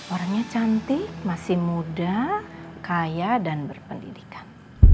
orangnya cantik masih muda kaya dan berpendidikan